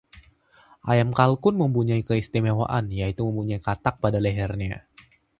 ayam kalkun mempunyai keistimewaan, yaitu mempunyai katak pada lehernya